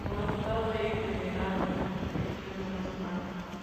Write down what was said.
Como resultado de ello, se le da la suspensión de una semana.